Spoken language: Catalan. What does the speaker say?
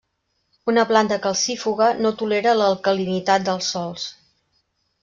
Una planta calcífuga no tolera l'alcalinitat dels sòls.